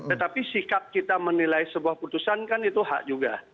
tetapi sikap kita menilai sebuah putusan kan itu hak juga